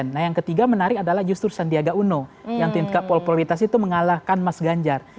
nah yang ketiga menarik adalah justru sandiaga uno yang tingkat popularitas itu mengalahkan mas ganjar